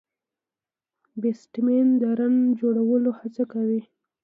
بيټسمېن د رن جوړولو هڅه کوي.